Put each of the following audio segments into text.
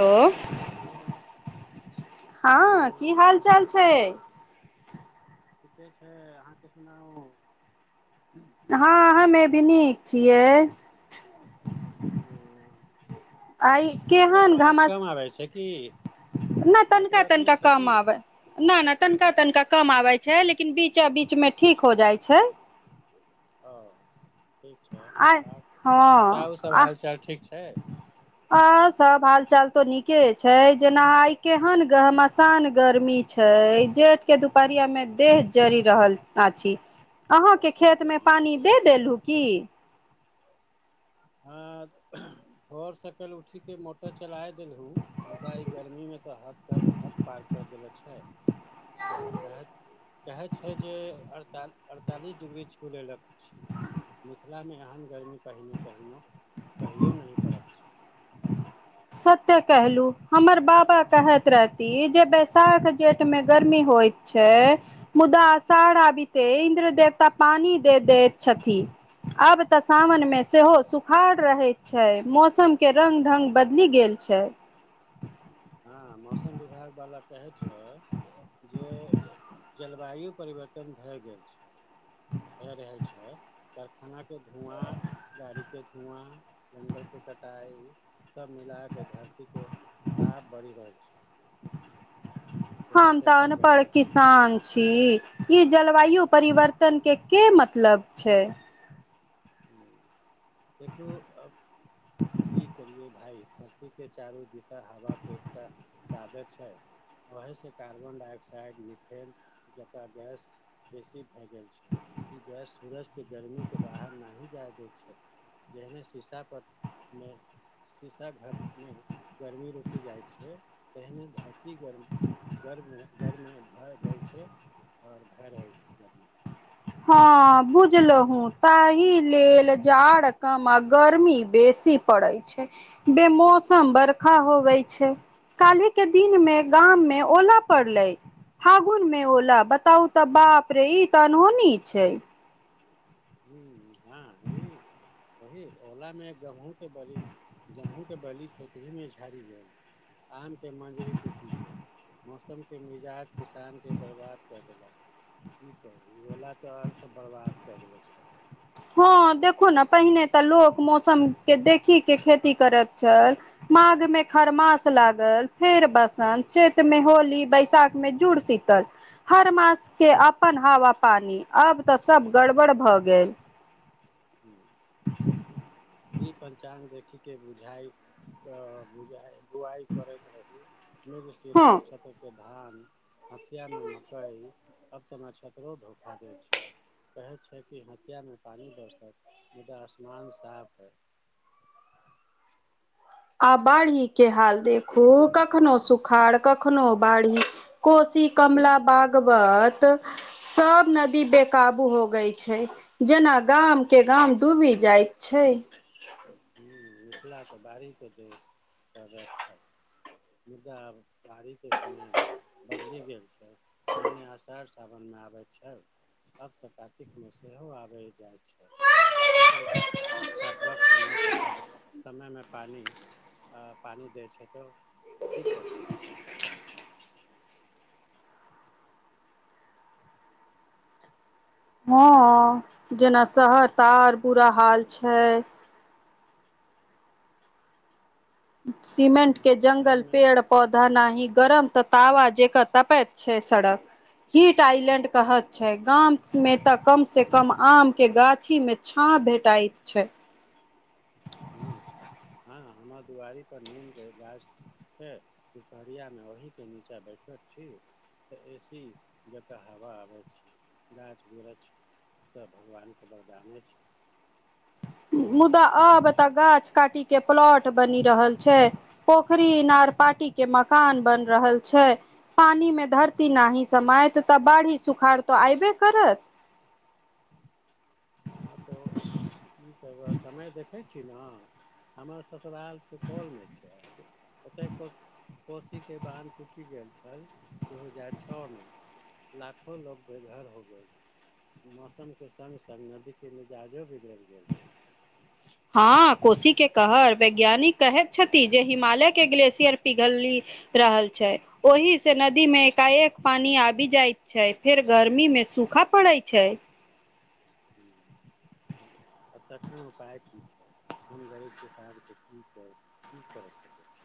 Hello hello हँ hello की हाल चाल छै ठीके छै अहाँके सुनाउ हँ हम्मे भी नीक छियै हँ आइ अहाँके केहन आवाज घामस कम आबै छै की नहि तनिका नेटवर्क तनिका नहि छै कम की आबै नहि नहि तनिका तनिका कम आबै छै लेकिन बीचा बीच मे ठीक हो अच्छा जाइ छै ओ ठीक छै आइ आ हँ बताउ सब हाल चाल ठीक छै हँ सब हाल चाल तो निके छै जेना आइ केहन गहमशान गरमी छै छै जेठ के दुपहरिया मे बहुत देह जरि रहल अछि अहाँके बहुत खेतमे गर्मी छै पानी दे देलहु की आ भोर सकल उठी के मोटर चलाय देलहु मुदा ई गर्मी मे तऽ हद कर हद पार कऽ देले छै हँ कहैत कहै छै जे अड़ता अड़तालीस डिग्री छू लेलक छियै मिथिलामे एहन गर्मी कहिनो कहिनो कहियो नहि पड़त छै सत्य कहलू हमर बाबा कहैत रहती जे बैशाख जेठमे गर्मी होइत छै मुदा आषाढ़ आबीेते इन्द्र देवता पानी दे दैत छथि अब तऽ हूँ, सावनमे सेहो सुखाड़ रहैत छै मौसमके रंङ्ग ढंङ्ग बदलि गेल छै हँ मौसम विभागवला कहैत छै जे जलवायु परिवर्तन भए गेल छै भए रहल छै कारखानाके धुआँ गाड़ीके धुआँ जंगल के कटाई सब मिला के धरती के ताप बढ़ि रहल छै सेहे हम से तऽ एते अनपढ गर्मी छै किसान छी ई जलवायु परिवर्तनके के मतलब छै हूंम्म देखियौ अब की करियै भाय धरती के चारू दिशा हवा के एकटा चादर छै ओहिसे कार्बन डाइऑक्साइड मिथेन जकाँ गैस बेसी भए गेल छै ई गैस सूरज पे गर्मी क बाहर नहि जाय दै छै जेहने शीशा परमे शीशा घर मे गर्मी रुकि जाइत छै तहिने धरती गर्मी गर्म गर्मी भए जाइ छै और भाए रहल छै गर्मी हँ बुझल हूँ तहि लेल जाड़ कम आ गर्मी बेसी पड़े छै बे मौसम बरखा होबै छै काल्हि के दिन मे गाम में ओला पड़ले फागुन में ओला बताउ तऽ बाप रे ई अनहोनी छै [unintelligible] वही ओला में गेहूं के बलि गेहूँं के बलि खेत ही में झारी गेल आम के मंजरी टूट गेल मौसम के मिजाज किसान के बर्बाद कऽ देलक की कही ई ओला त और सभ बर्बाद कए गेल छै हँ देखू ने पहिने तऽ लोक मौसम के देखी के खेती करैत छल माघ मे खरमास लागल फेर ब वसंत चैत्र में होली बैसाख मे जूड़सीतल हर मास के अपन हवा पानी अब तऽ सब गड़बड़ भऽ गेल [unintelligible] [inaudible] ई पंचांग देखिके बुझाइ बुआइ करैत रही [unintelligible] हँ के धान हथिया मे मकई तब तऽ नछत्रो धोखा दे छै कहै छै कि हथिया मे पानी बरसत मुदा आसमान साफ है आ बाढ़ी के हाल देखू करनो सुखाड़ कखनो बाढ़ी कोशी कमला बागबत सभ नदी बेकाबू हो गई छै जेना गाम के गाम डूबी जाय छै हूँ मिथिला तऽ बाढ़ि क देश सब छल मुद्दा अब बाढ़ी के समय बदलि गेल छै पहिने अशर सावनमे आबै छै आब तऽ कातिकमे सेहो आबै जाइत छै फसल काट काटबाक समयसँ प समयमे पानि आ पानि दै छै तऽ की करतै हँ जेना शहर त और बुरा हाल छै सीमेंट आदमी। के जंगल शहरमे पेड़ पौधा न गरम तऽ ताव जेका तपैत छै सड़क हिट आइलैंड कहत ह छै गाममे तऽ कम स कम आमके गाछीमे छाँह भेटाइत छै ह हँ हमर दुआरि पर नीम के गाछ छै दुपहरिया म ओहि के नीचाँ बैठल छी तऽ ए सी जकऽ हवा आबै छै गाछ वृक्ष तऽ भगवान क वरदाने छै मुदा आब तऽ गाछ काटी के प्लॉट बनी रहल छै पोखरी इनार पाटी के मकान बन रहल छै पानिमे धरती नाही समाइत तऽ बाढ़ि सुखाड़ तऽ अऐबे करत हँ तो ठ ह समय देख देखै छी ने हमर ससुराल सुपौलमे छै जे ओतहि प कोशीके बान्ध टूटि गेल छल दू हजार छओमे लाखो लोग बेघर हो गए मौसम के सम तऽ नदीके मिजाजो बिगड़ि गेल छै हँ कोशी के कहर वैज्ञानिक कहैत छथि जे हिमालय के ग्लेेशियर पिघलली रहल छै ओहिसँ नदीमे एकाएक पानि आबि जाइत छै फेर गर्मीमे सूखा पड़ैत छै छै [inaudible] [inaudible] आ तखन उपाय की छै हम गरीब किसाबके की कर की करय सकैत छी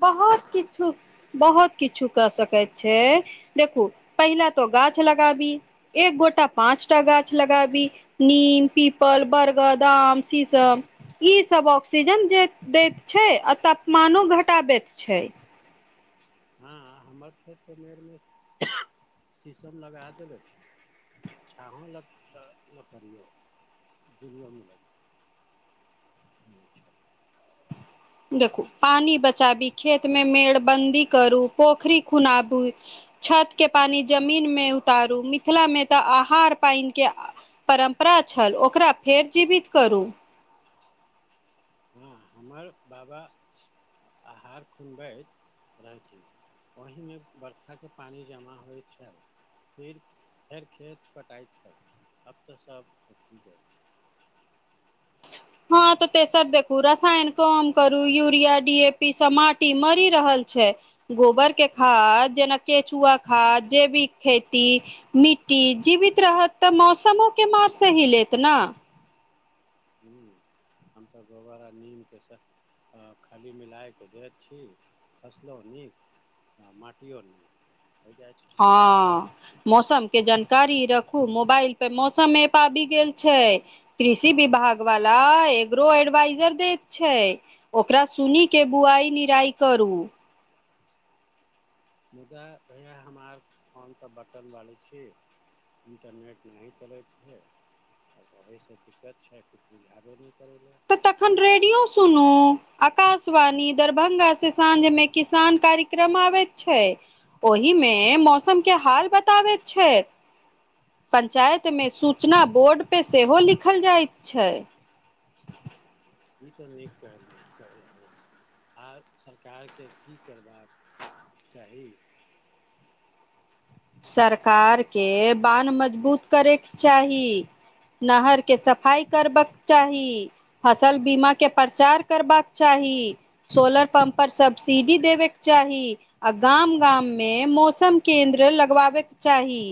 बहुत किछु बहुत किछु क सकैत छै देखू पहिला तो गाछ लगाबी एक गोटा पाँचटा गाछ लगाबी नीम पीपल बर्गर आम शीशम ईसभ ऑक्सीजन जे दैत छै आ तापमानो घटाबैत छै हँ हमर खेत के [unintelligible] शीशम लगा देनेे छै छओ लक तऽ ल करियौ दुना मे लगत ब छै देखू पानी बचाबी खेत मे मेड़बंन्दी करू पोखरी खुनाबू छत के पानि जमीन मे उतारू मिथिला मे तऽ आहार पानि के परम्परा छल ओकरा फेर जीवित करू हँ हमर बाबा आहार खुनबैत रहथिन ओहिमे बरखाके पानि जमा होइत छल फिर फेर खेत पटाइ छल आब तऽ सब हँ तऽ तेसर देखू रसायन कम करू यूरिया डी ए पी सब माटी मरि रहल छै गोबर के खाद जेना केचुआ खाद जैविक खेती मिट्टी जीवित रहत तऽ मौसमो के मार सैह लेत नहि हू हम तऽ गोबर आर नीमके से तँ खाली मिलाए कऽ दैत छी फसलहुँ नीक हँ माटियो नहि होइ जाइ छै हँ मौसम के जानकारी रखू मोबाइल पे मौसम एप आबि गेल छै कृषि विभाग वाला एग्रो एडवाइजर दैत छै ओकरा सुनी के बुआइ निराइ करू मुदा भैया हम आर फोन तऽ बटन बालैत छी इन्टरनेट नहि चलै छै आब ओहीसँ दिक्कत छै किछु बुझाबे नहि करै लए तऽ तखन करै छै। रेडियो सुनू आकाशवाणी दरभंगा से साँझ मे किसान कार्यक्रम आबे छै ओहिमे मौसम के हाल बताबैत छै पंचायतमे सूचना बोर्डपर सेहो लिखल जाइत छै ई तऽ नीक कह कह आ सरकारके की करबाक चाही सरकारके बांध मजबूत करयैक‌ चाही नहर के सफाइ करबक चाही फसल बीमाके प्रचार करबाक चाही सोलर पम्प पर सब्सिडी देबेके चाहि आ गाम गाम मे मौसम केंन्द्र लग लगवाबेके चाही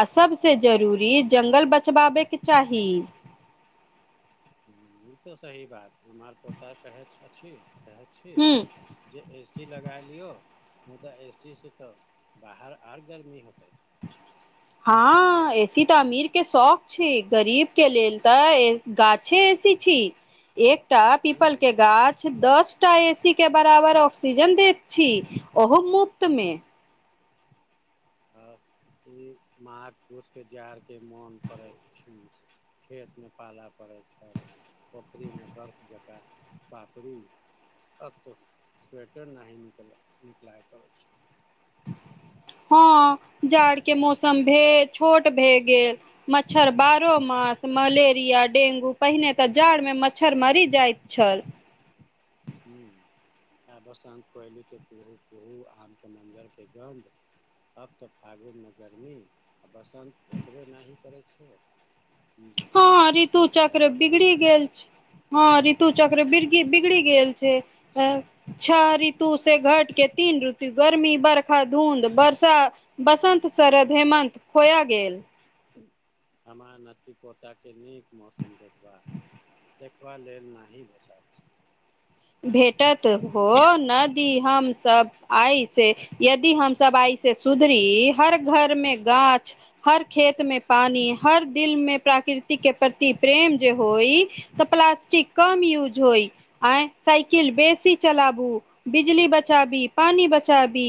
आ सबसे जरूरी जंगल बचवाबेके चाही ई तऽ सही बात हमर पोता कहै कहै छि हूँ जे ए सी लगा लिऔ मुदा ए सी से तऽ बाहर आर गर्मी होते [inaudible] हँ ऐसी तऽ अमीर के शौक छी गरीब के लेल तऽ गाछे एसी छी एकटा हूँ पीपल के गाछ दस टा ए सी के बराबर ऑक्सीजन द छी ओहो मुक्त हू आ ई मह पुरषके जाड़के मोन पड़ैत छि खेतमे पालऽ पड़ै छै पोखरिमे बर्फ जकाँ पापड़ी अब तो स्वेटर न ही निकल निकलाय पर हँ जाड़ के मौसम भेल छोट भए गेल मच्छर बारहो मास मलेरिया डेंगू पहिने तऽ जाड़ मे मच्छर मरी जाइतत छल ह आ बसानत कोयलीे तुहू तुहू आमके मञ्जरके गन्ध तब तऽ फ्ागुनमे गरमी आ बसन्त भेटबे नहि ह करड़ै छै तै हँ ऋतु मौसम तऽ एकदम चक्र बदलि बिगड़ि गेल छै हँ ऋतु चक्रर बिगड़ी गल छै छह ऋतु से घटके तीन ऋतु गर्मी बरखा धुंध बर्षा बसन्त शरद हेमन्त खोय गेल हमरा नतिी पोताके नीक मौसम देखबा देखबा लेल नी भेटत भेटत हो न दी हमसभ आइस यदि हमस आइ से सुधरी हर घर मे गाछ हर खेतमे पानि हर दिलमे प्राकृतिके प्रति प्रेम जे होइ तऽ प्लास्टिक कम यूज होइ आ साइकिल बेसी चलाबू बिजली बचाबी पानी बचाबी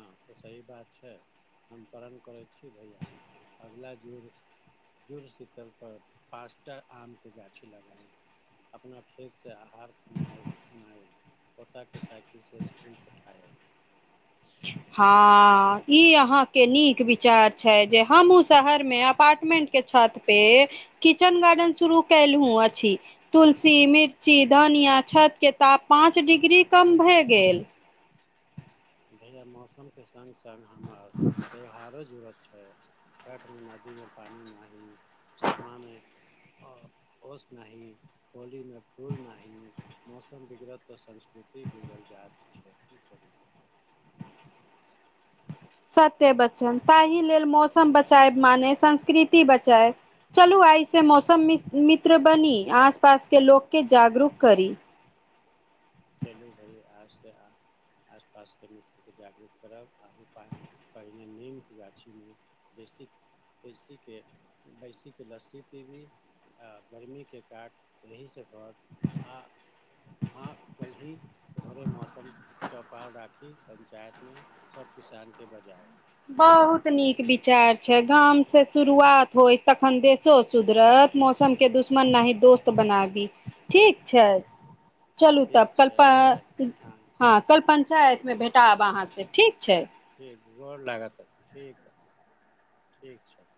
ह तऽ सही बात छै हम पण करै छी भैया अगिल जुड़ जुड़शीतलप पाँचटा आमके गाछी लगइ अपना खेतसँ आहार खुनाए खुनाएब पोताके साइकिलसँ इसकुल पठायब हँ ई अहााँके नीक विचार छै जे हमहु शहरमे अपार्टमेंट के छत पे किचन गार्डन शुरू केलहु अछि तुलसी मिर्ची धनिया छतके ताप पाँच डिग्री कम भए गेल भैया मौसमके सङ्ग सङ्ग हमर त्यौहारो जड़त छै छठमे नदीमे पानि नी सामामे ओस नहि होलीमे फूल नाही मौसम बिगड़त तऽ संस्कृति बिगड़ल जायत कि करि सत्य बचन ताहि लेल मौसम बचायए मानय संस्कृति बचायएब चलू एहिइस मौसम मित्र बनी आस पास के लोकके जागरूक करी चलू भै अजसँ आसपासके मत्रे जागरूक करब अहूँ पा पहिने नीमके गाछीमे बेसी बेैसीके भैसीके लस्सी पीबी गर्मीके काट एहिहीसँ पड़त आ हँ कल्हि घरे मौसम चौपाला राखी पञ्चायत मे सब किसान के बजाय बहुत नीक विचार छै गाम से शुरुआत होय तखन देशो सुधरत मौसम के दुश्मन नाही दोस्त बनाबी ठीक छै चलू तब ठीक छै कलप जय हँ कल पञ्चायत में भेटाब अहाँ से ठीक छै ठीक गोर लागतऽ ठीक हइ ठीक छै